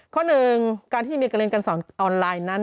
ข้อหนึ่งการที่มีการเรียนการสอนออนไลน์นั้น